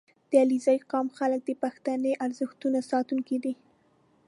• د علیزي قوم خلک د پښتني ارزښتونو ساتونکي دي.